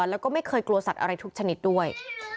แล้วก็ไม่เคยกลัวสัตว์อะไรทุกชนิดด้วย